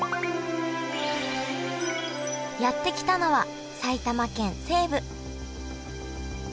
やって来たのは埼玉県西部。